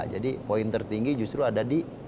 jadi poin tertinggi justru ada di